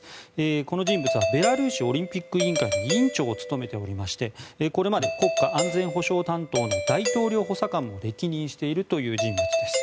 この人物はベラルーシオリンピック委員会の委員長を務めていましてこれまで国家安全保障担当の大統領補佐官も歴任しているという人物です。